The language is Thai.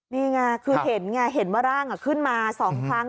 นี่ไงคือเห็นไงเห็นว่าร่างขึ้นมา๒ครั้ง